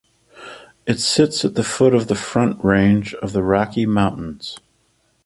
It sits at the foot of the Front Range of the Rocky Mountains.